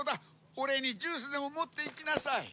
お礼にジュースでも持って行きなさい。